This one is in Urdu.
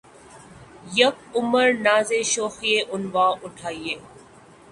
یک عمر نازِ شوخیِ عنواں اٹھایئے